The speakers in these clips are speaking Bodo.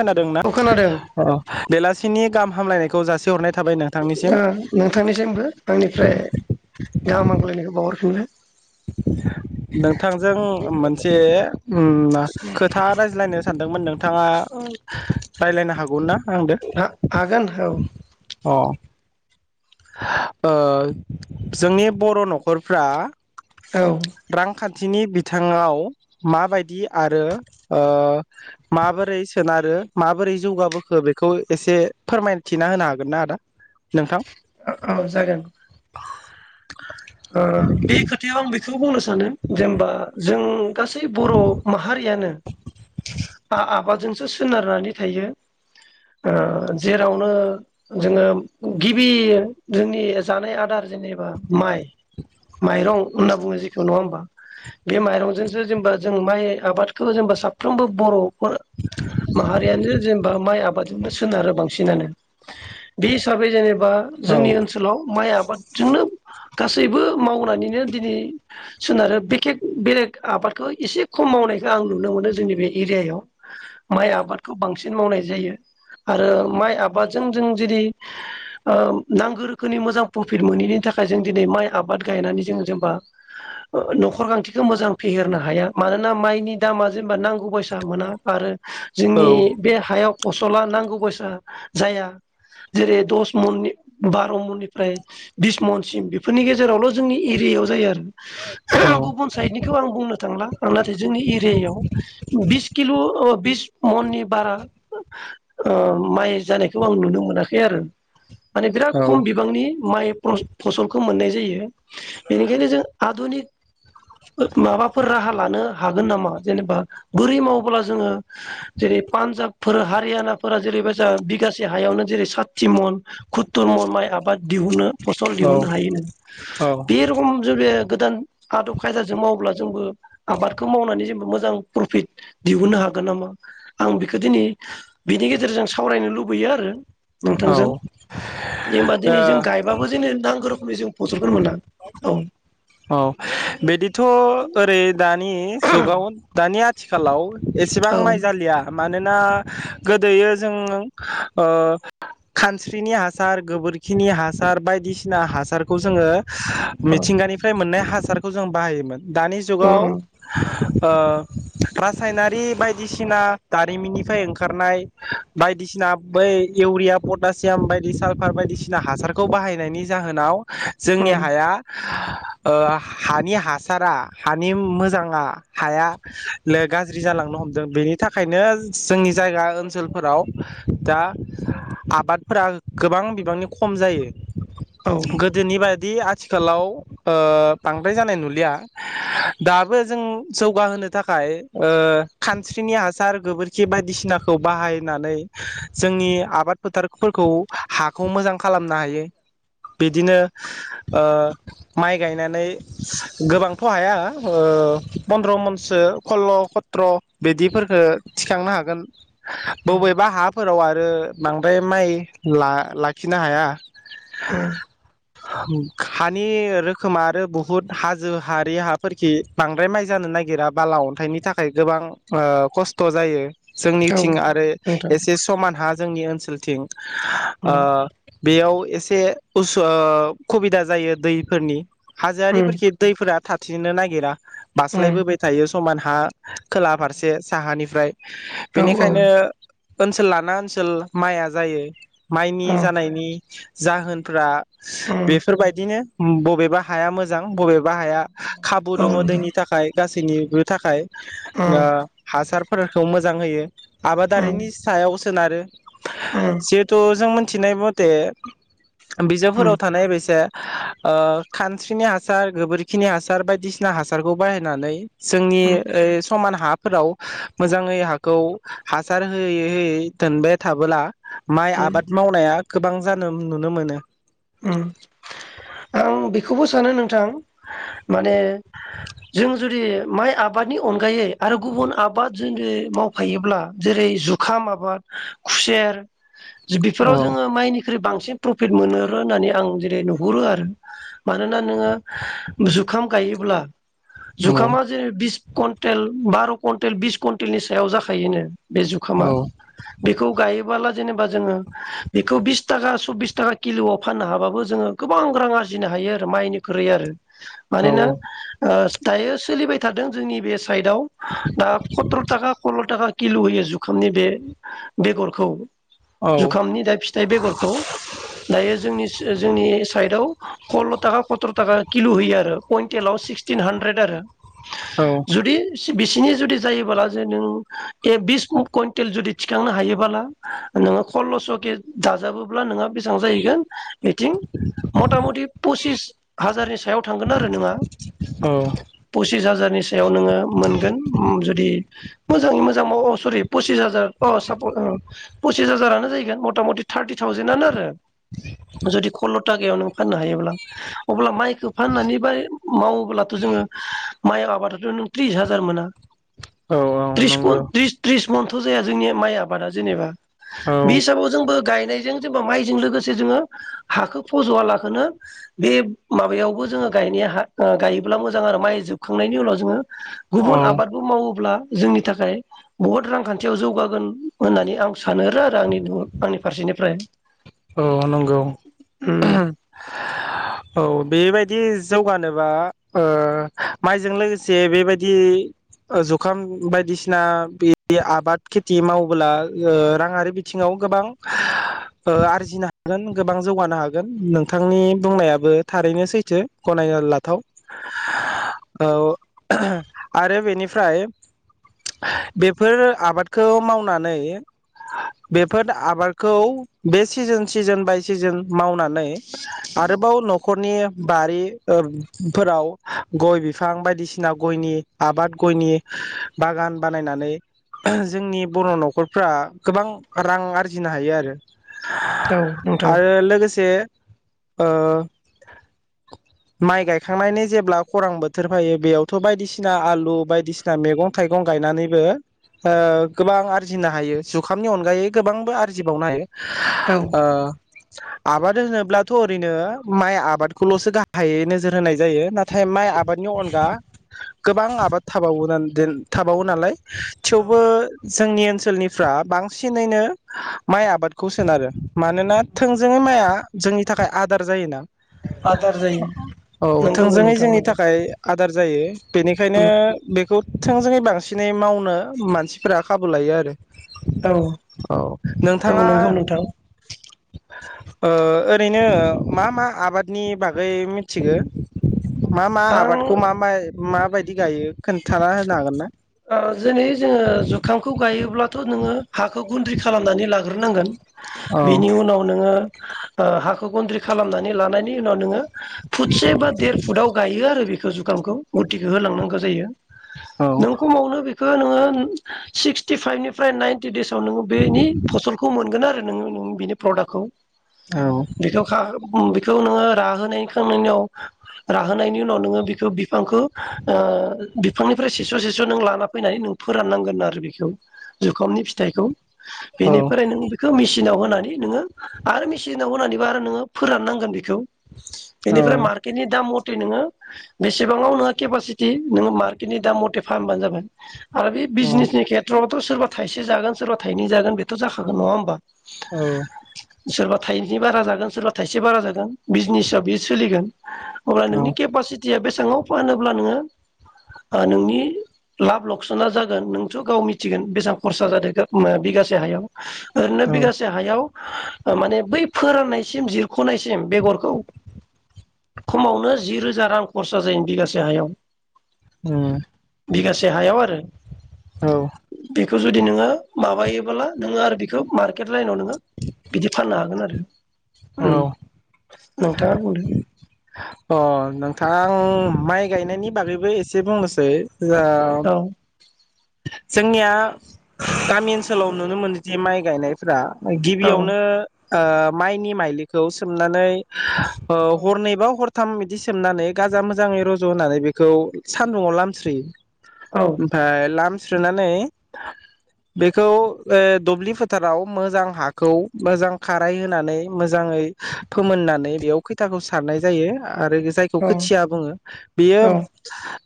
खोनादोंना औ खोनादों अ बेलासेनि गाहाम हामग्लायनाय हामलायनायखौ जासि हरनाय नोंथांनिसिमबो आंनिफ्राय गाहाम हामग्लायनायखौ बावहरफिनबाय नोंथांजों मोनसे उम खोथा रायज्लायनो सानदोंमोन नोंथां नोंथाङा रायज्लायनो हागौमोन ना? आंदो हागोन औ अ ओ जोंनि बर' न'खरफ्रा औ थिनि बिथिङाव माबायदि आरो माबोरै सोनारो माबोरै जौगाबोखो बेखौ एसे फोरमायथिना होनो हागोनना आदा? नोंथां औ जागोन ओ बे खोथायाव आं खौ बुंनो सानो जेनेबा जों गासै बर' माहारियानो आ आ आबादजोंसो सोनारनानै थायो ओ जेरावनो जोङो गिबि जोंनि जानाय आदार जेनेबा माइ माइरं होनना बुङो जेखौ नङा होमबा बे माइरंजोंसो जेनेबा जों माइ आबादखौ जेनेबा साफ्रोमबो बर' मा-माहारियानो जेनेबा माइ आबादजोंनो सोनारो बांसिनानो बे हिसाबै जेनेबा औ जोंनि ओनसोलाव माइ आबादजोंनो गासैबो मावनानैनो दिनै सोनारो बेलेग आबादखौ एसे खम मावनायखौ आं नुनो मोनो जोंनि बे एरियायाव माइ आबादखौ बांसिन मावनाय जायो आरो माइ आबादजों जों जेरै ओ नांगौ रोखोमनि मोजां प्रफिट मोनैनि थाखाय जों दिनै माइ आबाद गायनानै जों जेनेबा ओ न'खर गोनांथिखौ मोजां फेहेरनो हाया मानोना माइनि दामा जेनेबा नांगौ बायसा मोना आरो औ जोंनि बे हायाव फसला नांगौ बायसा जाया जेरै दस मन बार' मननिफ्राय बिस मनसिम फोरनि गेजेरावल' जोंनि एरियायाव जायो औ आरो गुबुन साइडनिखौ आं बुंनो थांलां नाथाय जोंनि एरियायाव बिस किल' बिस मननि बारा ओ माइ जानायखौ आं नुनो मोनाखै आरो माने बिराद खम बिबांनि माइ फस फसल खौ मोननाय जायो बेनिखायनो जों आधुनिक फोर-माबाफोर राहा लानो हागोन नामा जेनेबा बोरै मावोब्ला जोङो जेरै पान्जाब फोर हारियानाफोरा जेरैबाय जों बिगासे हायावनो जेरै सातथि मन खुत्तुर मन माइ आबाद दिहुनो फसल औ दिहुनो हायोनो बे रखम जो बे गोदान आदब खायदाजों मावोब्ला जोंबो आबादखौ मावनानै जोंबो मोजां प्रफिट दिहुननो हागोन नामा आं बेखौ दिनै बेनि गेजेरजों सावरायनो लुबैयो आरो औ नोंथांजों दे होमबा दिनै जों ओ गायबाबो जोंनो नांग्रो औ बिदिथ'। औरै दानि जुगाव दानि आथिखालाव एसेबां औ माइ जालिया। मानोना गोदोयो जों ओ खानस्रिनि हासार गोबोरखिनि हासार बायदिसिना हासारखौ जोङो औ मिथिंगानिफ्राय मोननाय हाजो सारखौ जों बाहायोमोन। दानि उम जुगाव ओ रासायनारि बायदिसिना दारिमिननिफ्राय ओंखारनाय बायदिसिना बै इउरिया पटासियाम बायदि साल्फार बायदिसिना हासारखौ बाहायनायनि जाहोनाव जोंनि उम हाया ओ हानि हासारा हानि मोजाङा हाया लो गाज्रि जालांनो हमदों बेनि थाखायनो जोंनि जायगा ओनसोलफोराव दा आबादफोरा गोबां बिबांनि खम जायो। औ गोदोनि बाय दि आथिखालाव ओ बांद्राय जानाय नुलिया दाबो जों जौगाहोनो थाखाय ओ खानस्रिनि हासार गोबोरखि बायदिसिनाखौ बाहायनानै जोंनि आबाद फोथारफोरखौ हाखौ मोजां खालामनो हायो बिदिनो ओ माइ गायनानै गोबांथ' हाया ओ फन्द्र मनसो खल्ल' खथ्र' बिदिफोरखो थिखांनो हागोन। उम बबेबा हाफोराव आ रो। बांद्राय माइ ला-लाखिनो हाया। उम हानि रोखोमा आरो बुहुत हाजो हारि हाफोरखि बांद्राय माइ जानो नागिरा बाला अन्थाइनि थाखाय गोबां ओ खस्थ' जायो। औ जोंनिथिं आरो नोंथां एसे समान हा जोंनि ओनसोलथिं उम ओ बेयाव एसे उसु ओ खुबिदा जायो दैफोरनि। उम हाजोआरिफोरखि दैफोरा थाथिरनो नागिरा। उम बास्लायबोबाय थायो। समान हा। खोला फारसे साहानिफ्राय औ औ बेनिखायनो ओनसोल लाना ओनसो ल माइया जायो। माइनि औ जानायनि जाहोनफ्रा उम बेफोरबायदिनो उम बबेबा हाया मोजां बबे बा हाया खाबु औ दङ' नोंथां दैनि थाखाय गास इनिबो थाखाय नो उम हासार फोरखौ मोजां होयो। उम आबादारिनि सायाव स सोनारो जिहेथु जों मोन थिनाय मते बिजाबफोराव उम थानाय बायसा ओ खानस्रिनि हासार गोबोरखिनि हासार बायदिसिना हासारखौ बाहायनानै जोंनि उम ओ स समान हाफोराव मोजाङै हाखौ हासार होयै होयै दोनबेद थाबोला माइ उम आबाद मावनाया गोबां जानो उम नुनो मोनो उम आं बेखौबो सानो नोंथां माने जों जुदि माइ आबादनि अनगायै आरो गुबुन आबाद जुदि मावफायोब्ला जेरै जुखाम आबाद, खुसेर जुददि फोराव औ जोङो माइनिख्रुइ बां सिन प्रफिट मोनो ओ होननानै आं जेरै नुहुरो आरो मानोना नोङो जुखाम गायोब्ला औ जुखामा जेरै बिस कवन्टेल बार' कवन्टेल बिस कवन्टेलनि सायाव जाखायोनो बे जुखामा औ बेखौ गायोबाला जेनेबा जोङो बेखौ बिसताका सब्बिसताका किलुआव फाननो हाबाबो जोङो गोबां रां आरजिनो हायो आरो माइनिख्रुैइ आरो मानोना औ ओ स दायो सोलिबाय थादों जोंनि बे साइदआव दा खर्तताका खल्ल' ताका किल' होयो जुखामनि बे बेगरखौ औ जुखामनि दा फिथाइ बेगरखौ दायो जोंनिस ओ जोंनि साइदआव खल्ल' ताका खथ्र' ताका किलु होयो आरो कइन्टेलाव सिक्सटिन हानद्रेद आरो औ जुदि स बिसिनि जुदि जायोबाला जे नों ए बिस कु कइनटेल जुदि थिखांनो हायोबाला नोङो खल्ल'स' के दाजाबोब्ला नोंहा बेसां जाहैगोन इथिं मता मति पसिस हाजार नि सायाव थांगोन आरो नोंङा औ पसिस हाजारनि सायाव नोङो मोनगोन जुदि मोजाङै मोजां सरि पसिस हाजार अ सा पसिस हाजारानो जाहैगोन मथा मथि थार्टि थावजेेननो आरो ताखायाव नों फाननो हायोब्ला अब्ला माइखौ फाननानै ब मावोब्लाथ' जोङो माइ आबादाथ' नों थ्रिस हाजार मोना औ औ त्रिसखौ नंगौ त त्रिसमन थ' जाया जोंनि माइ आबादा जेनेबा औ बे हिसाबाव जोंबो गायनायजों जेनबा माइजों लोगोसे जोङो हाखौ फज'वलाखौ बे माबायावबो जोङो गायनाया गायोब्ला मोजां आरो माइ जोबखांनायनि उनाव जोङो औ गुबुन आबादबो मावोब्ला जोंनि थाखाय बहुद रांखान्थियाव जौगागोन होननानै आं सान आरो आरो आंनि आंनि फारसेनिफ्राय औ नंगौ उम [unintelligible] औ बेबायदि जौगानोबा ओ ओ आरजिनो हागोन गोबां जौगानो हागोन नोंथांनि बुंनायाबो थारैनो सैथो गनायना लाथाव औ आरो बेनिफ्राय बेफोर आबादखौ मावनानै बेफोर आबादखौ बे सिजोन सिजोन बाय सिजोन मावनानै आरोबाव न'खरनि बारि फोराव गय बिफां बायदिसिना गयनि आबाद गयनि बागान बानायनानै जोंनि बर' न'खरफ्रा गोबां रां आरजिनो हायो आरो औ नोंथां आरो लोगोसे ओ माइ गायखांनायनि जेब्ला खरां बोथोर फायो बेयावथ' बायदिसिना आलु बायदिसिना मैगं थाइगं गायनानैबो ओ गोबां आरजिनो हायो जुखामनि अनगायै गोबांबो आरजिबावनो हायो औ ओ आबाद होनोब्लाथ' ओरैनो माइ आबादखौल'सो गाहायै नोजोर होनाय जायो ना नाथाय माइ आबादनि अनगा गोबां आबाद थाबावोन [unintelligible] थाबावो नालाय थेवबो जोंनि ओनसोलनिफ्रा बांसिनैनो माइ आबाद खौ सोनारो मानोना थोंजोङै माइया जोंनि नि थाखाय आदार जायोना आदार जायो औ नंगौ थोंजोङै नोंथां जोंनि नंगौ थाखाय आदार जायो बेनिखायनो बेखौ थोंजोङै बांसिनै मावनो मानसिफोरा खाबु लायो आरो [inaudible] औ औ नोंथाङा नंगौ [inaudible] नोंथां ओ ओद ओरैनो मा मा आबादनि बागै मिथिगौ मा मा आबादखौ आं मा मा माबायदि गायो खोन जनै जोङो जुखामखौ गायोब्लाथ' नोङो हाखौ गुन्द्रि खालामनानै लाग ग्रोनांगोन औ बिनि उनाव नोङो हाखौ गुन्द्रि खालामनानै लानायनि उनाव नोङो फुटसे बा देर फुटव गायो आरो बेखौ जुखामखौ गुरथिखौ होलांनांगौ जायो औ नोंखौ मावनो बे खौ नोङो सिक्सटि फाइभनिफ्राय नाइन देसाव नोङो बेनि फसलखौ मोनगोन आरो नोङो बिनि प्रडाक्टखौ औ बि राहोनायनि उनाव नोङो बेखौ बिफांखौ बिफाननिफ्राय [unintelligible] नों लाना फैनानै नों फोराननांगोन आरो बेखौ जुखामनि फिथाइखौ औ बेनिफ्राय नों बेखौ मिसि मेचिनाव होनानै नोङो आरो मेचिनाव होनानैबो आरो नोङो फोराननांगोन बेखौ बेनिफ्राय मार्केटनि दाम बेसेबांआव नों केपासिति दाम मथे फानबानो जागोन आरो बे औ बिजनेसनि खेथ्र थ' सोरबा थाइसे जागोन सोरबा थाइनै जागोन बेथ' जागोन नङा होनोमबा औ थाइनै बारा जागोन सोरबा थाइसे बारा जागोन बिजनेसआव बेयो सोलिगोन अब्ला नोंनि केपासिटिया बेसे सिङाव फानोब्ला नोङो। आ नोंनि लाब लकसना जागोन नोंथ' गाव मिथिगोन बेसेबां खरसा जादों बिगासे हायाव। ओरैनो औ बिगासे हायाव। ओ माने बै फोराननायसिम जिरख'नायसिम बेगरखौ खमावनो जि रोजा रां खरसा जायो बिगासे हायाव। औ। बिगासे हायाव आरो। औ। खौ जुदि नोङो माबायो बोला नों आरो बेखौ मारके। लाइनाव नोङो बिदि फाननो हागोन आरो। [inaudible] औ नोंथाङा बुंदो अ नों। थां माइ गायनायनि बागैबो एसे बुंनोसै। जा औ जोंनिया गामि ओनसोलाव नुनो मोनोदि माइ गायनायफोरा औ गिबियावनो आ माइ नि माइलिखौ सोमनानै औ हरनैबा हर साथाम इदि सोमनानै गाजा मोजाङै रज' होनानै बेखौ सान्दुंआव लामस्रोयो। औ ओमफ्राय लाम स्रोनानै, बेखौ ओ दुब्लि फोथाराव मोजां हाखौ मोजां खाराय होनानै मोजाङै फोमोननानै बेयाव खैथाखौ सारनाय जायो। आरो जायखौ औ खोथिया बुङो बेयो औ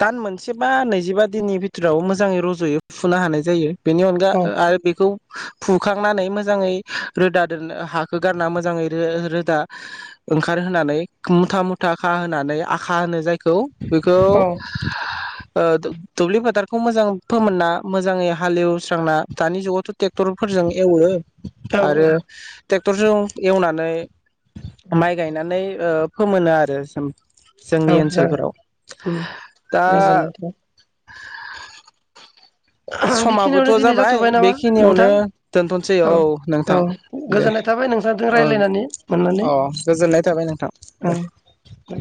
दान मोनसे बा नैजिबा दिननि बिथोराव मोजाङै रजयो फुनो हानाय जायो। बेनि अनगा औ ओ आरो बेखौ फुखांनानै मोजाङै रोदा दोंनो हाखौ गारना मो जाङौ रो-रोदा ओंखार होनानै मुथा मुथा खाहोनानै आखा होनो जा यखौ बेखौ औ ओ दु-दुब्लि फोथारखौ मोजां फोमोनना मोजाङै हालेवस्रांना दानि जुगावथ' टेक्टरफोरजों एवो आरो औ टेक्टरजों एवनानै माइ गायनानै ओ फोमोनो आरो। जोंनि औ जागोन ओनसोलफोराव। उम दा गोजोननाय थाबाय समाबोथ' बेखिनियावनो दिनै जाबाय जाथ'बाय नामा बेखिनियावनो नोंथां दोनथ'सै औ नोंथां औ दे गोजोननाय थाबाय नोंथांजों [inaudible] ओं रायज्लायनानै मोननानै अ गोजोननाय थाबाय नोंथां दे। औ दे